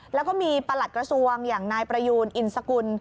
แล้วก็มีประหลัดกระทรวงอย่างนายประยูนอินสกุล